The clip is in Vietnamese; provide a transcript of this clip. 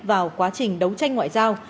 vào quá trình đấu tranh ngoại giao